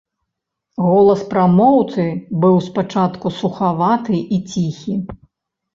Голас прамоўцы быў спачатку сухаваты і ціхі.